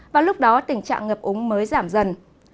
và lúc đó tình trạng ngập úng mới giảm dần